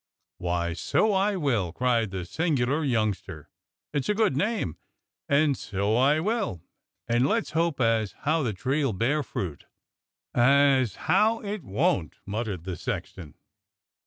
"Why, so I will !" cried the singular youngster. "It's a good name, and so I will — and let's hope as how the tree'll bear fruit." "As how it won't," muttered the sexton.